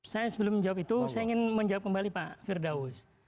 saya sebelum menjawab itu saya ingin menjawab kembali pak firdaus